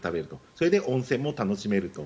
それで温泉も楽しめると。